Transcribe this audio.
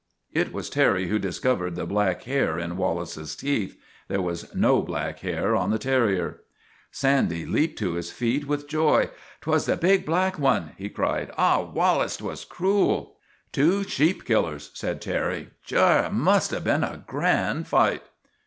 It was Terry who discovered the black hair in Wallace's teeth. There was no black hair on the terrier. Sandy leaped to his feet with joy. " 'T was the THE TWA DOGS O' GLENFE.RGUS 47 big, black one!" he cried. "Ah, Wallace, 'twas cruel !"" Two sheep killers," said Terry. " Sure, it must have been a grand fight